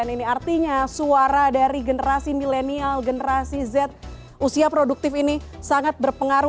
ini artinya suara dari generasi milenial generasi z usia produktif ini sangat berpengaruh